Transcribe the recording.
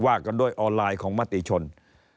ว่ากันด้วยออนไลน์ของมติชนออนไลน์